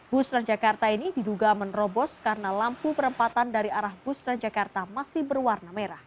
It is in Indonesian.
bus transjakarta ini diduga menerobos karena lampu perempatan dari arah bus transjakarta masih berwarna merah